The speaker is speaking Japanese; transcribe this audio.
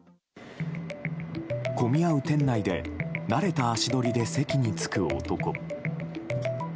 混み合う店内で慣れた足取りで席に着く男。